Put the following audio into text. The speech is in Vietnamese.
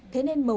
thế nên màu cao